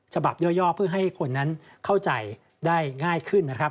ย่อเพื่อให้คนนั้นเข้าใจได้ง่ายขึ้นนะครับ